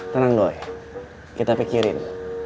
tenang doi kita pikirin